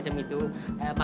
tapi ke lama